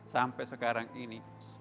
sampai sekarang ini